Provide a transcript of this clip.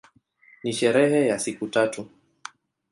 Ni sherehe ya siku tatu.